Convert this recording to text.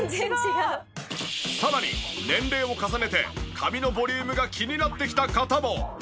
さらに年齢を重ねて髪のボリュームが気になってきた方も。